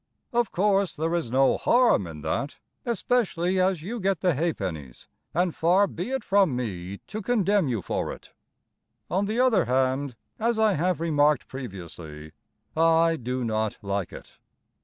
Of course there is no harm in that, Especially As you get the ha'pennies, And far be it from me To contemn you for it. On the other hand, As I have remarked previously, I do not like it.